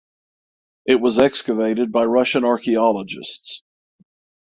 It was excavated by Russian archaeologists.